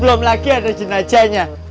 belom lagi ada jenajahnya